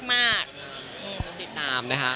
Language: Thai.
ต้องติดตามนะคะ